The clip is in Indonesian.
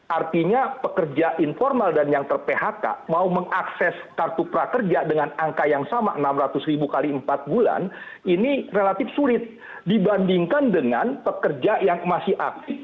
artinya pekerja informal dan yang ter phk mau mengakses kartu prakerja dengan angka yang sama enam ratus ribu kali empat bulan ini relatif sulit dibandingkan dengan pekerja yang masih aktif